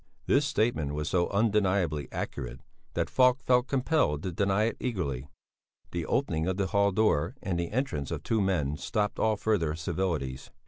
This statement was so undeniably accurate that Falk felt compelled to deny it eagerly. The opening of the hall door and the entrance of two men stopped all further civilities.